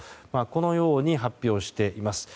このように発表しています。